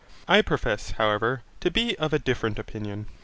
I profess, however, to be of a different opinion.